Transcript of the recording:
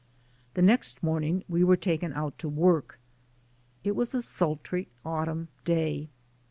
The next morning we were taken out to work. It was a sultry autumn day.